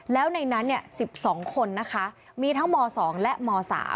แล้วในนั้น๑๒คนนะคะมีทั้งม๒และม๓